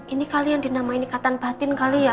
ini kali yang dinamai nikatan batin kali ya